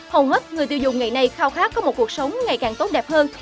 hầu hết người tiêu dùng ngày nay khao khát có một cuộc sống ngày càng tốt đẹp hơn